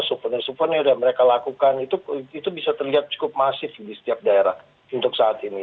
souvenir souvenir yang mereka lakukan itu bisa terlihat cukup masif di setiap daerah untuk saat ini